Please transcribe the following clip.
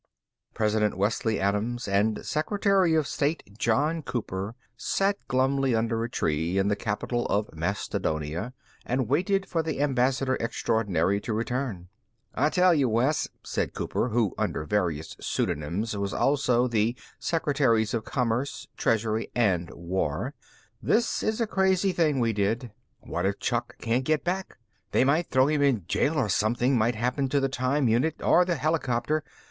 _ II President Wesley Adams and Secretary of State John Cooper sat glumly under a tree in the capital of Mastodonia and waited for the ambassador extraordinary to return. "I tell you, Wes," said Cooper, who, under various pseudonyms, was also the secretaries of commerce, treasury and war, "this is a crazy thing we did. What if Chuck can't get back? They might throw him in jail or something might happen to the time unit or the helicopter.